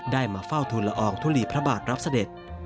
มาเฝ้าทุนละอองทุลีพระบาทรับเสด็จ